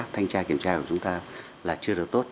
thanh tra kiểm tra của chúng ta là chưa được tốt